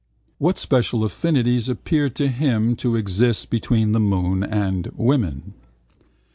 What special affinities appeared to him to exist between the moon and woman?